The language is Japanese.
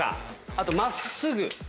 あと真っ直ぐ。